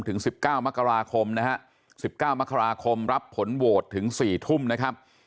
ถึง๑๙มกราคมนะฮะ๑๙มกราคมรับผลโหวตถึง๔ทุ่มนะครับ